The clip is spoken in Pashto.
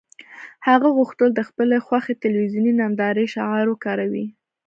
هغه غوښتل د خپلې خوښې تلویزیوني نندارې شعار وکاروي